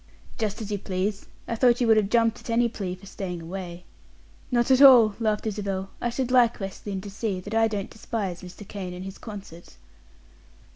"Just as you please. I thought you would have jumped at any plea for staying away." "Not at all," laughed Isabel. "I should like West Lynne to see that I don't despise Mr. Kane and his concert."